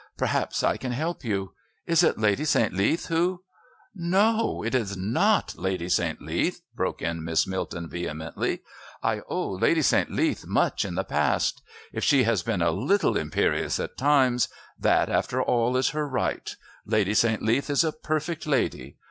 Perhaps I can help you. Is it Lady St. Leath who " "No, it is not Lady St. Leath," broke in Miss Milton vehemently. "I owe Lady St. Leath much in the past. If she has been a little imperious at times, that after all is her right. Lady St. Leath is a perfect lady.